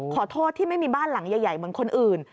ขอโทษที่ไม่มีบ้านหลังใหญ่เหมือนคนอื่น